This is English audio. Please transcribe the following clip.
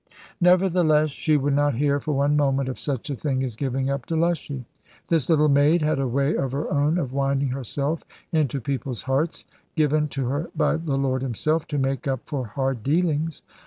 Nevertheless she would not hear for one moment of such a thing as giving up Delushy. This little maid had a way of her own of winding herself into people's hearts, given to her by the Lord Himself, to make up for hard dealings.